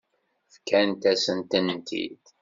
Fkant-asent-tent-id.